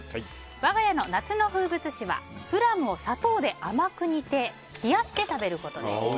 我が家の夏の風物詩はプラムを砂糖で甘く煮て冷やして食べることです。